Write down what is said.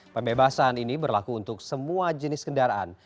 pembebasan ini berlaku untuk semua jenis kendaraan